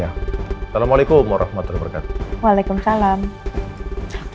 assalamualaikum warahmatullahi wabarakatuh